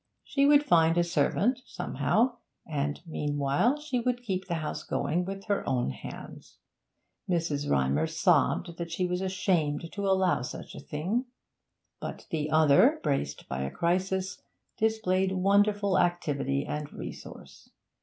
She would find a servant somehow, and meanwhile would keep the house going with her own hands. Mrs. Rymer sobbed that she was ashamed to allow such a thing; but the other, braced by a crisis, displayed wonderful activity and resource.